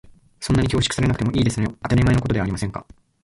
そんなに恐縮されなくてもいいんですのよ。当たり前のことではありませんか。